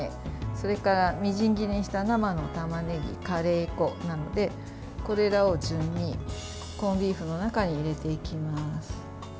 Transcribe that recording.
それからみじん切りにした生のたまねぎカレー粉なのでこれらを順にコンビーフの中に入れていきます。